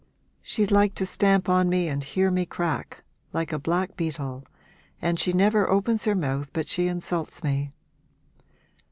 She'd like to stamp on me and hear me crack, like a black beetle, and she never opens her mouth but she insults me.'